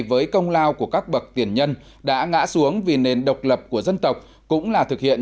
với công lao của các bậc tiền nhân đã ngã xuống vì nền độc lập của dân tộc cũng là thực hiện